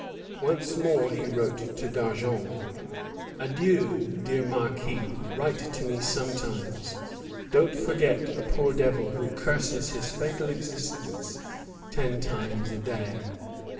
Once more he wrote to D'Argens: "Adieu, dear Marquis; write to me sometimes. Don't forget a poor devil who curses his fatal existence ten times a day."